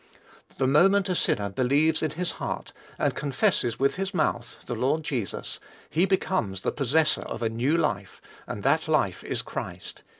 The moment a sinner believes in his heart and confesses with his mouth the Lord Jesus, he becomes the possessor of a new life, and that life is Christ.